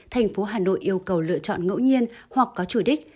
thành phố hà nội yêu cầu lựa chọn ngẫu nhiên hoặc có chủ đích